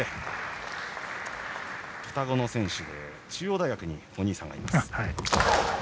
双子の選手、中央大学にお兄さんがいます。